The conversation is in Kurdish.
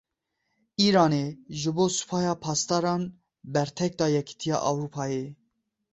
Îranê ji bo Supaya Pasdaran bertek da Yekîtiya Ewropayêyê.